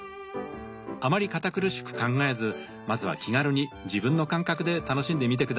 あまり堅苦しく考えずまずは気軽に自分の感覚で楽しんでみて下さい。